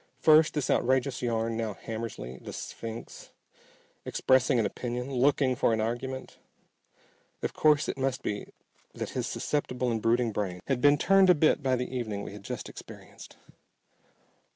First this outrageous yarn, now Hammersly, the "sphinx," expressing an opinion, looking for an argument! Of course it must be that his susceptible and brooding brain had been turned a bit by the evening we had just experienced.